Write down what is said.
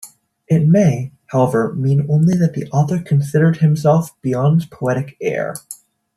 It may, however, mean only that the author considered himself Bion's poetic heir.